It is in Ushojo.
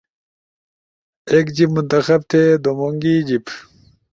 ایک جیِب منتخب تھے، دُومونگی جیِب